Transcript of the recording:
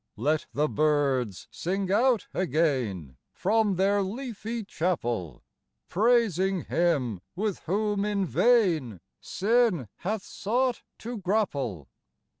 Let the birds sing out again From their leafy chapel, Praising Him with whom in vain Sin hath sought to grapple.